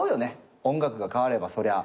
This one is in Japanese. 音楽が変わればそりゃ。